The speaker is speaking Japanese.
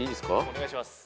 お願いします。